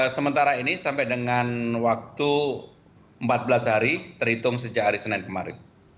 sementara ini sampai dengan waktu empat belas hari terhitung sejak hari senin kemarin